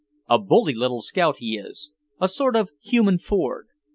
A bully little scout he is—a sort of human Ford.